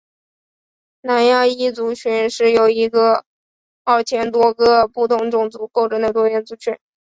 南亚裔族群是一个由二千多个不同种族构成的多元族群。